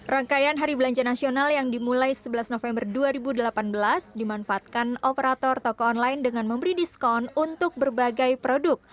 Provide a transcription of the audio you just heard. rangkaian hari belanja nasional yang dimulai sebelas november dua ribu delapan belas dimanfaatkan operator toko online dengan memberi diskon untuk berbagai produk